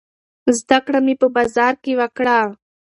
زده کړه مې په بازار کې وکړه.